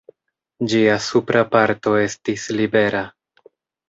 Ĝia supra parto estis libera.